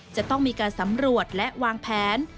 จะต้องมีการสำรวจและวางแผน